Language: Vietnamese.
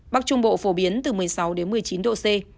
bắc trung bộ phổ biến từ một mươi sáu đến một mươi chín độ c